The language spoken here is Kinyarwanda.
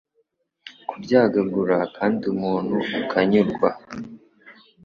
kuryagagura, kandi umuntu akanyurwa